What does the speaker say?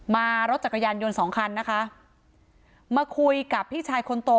มารถจักรยานยนต์สองคันนะคะมาคุยกับพี่ชายคนโต